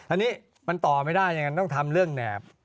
อันนี้มันต่อไม่ได้ยังไงต้องทำเรื่องแหนบ